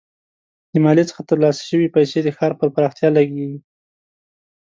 د مالیې څخه ترلاسه شوي پیسې د ښار پر پراختیا لګیږي.